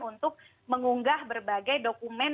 untuk mengunggah berbagai dokumen